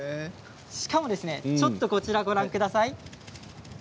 しかもこちらをご覧ください。